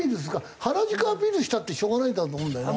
原宿アピールしたってしょうがないと思うんだよな。